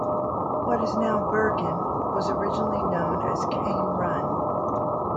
What is now Burgin was originally known as Cane Run.